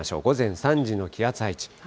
午前３時の気圧配置。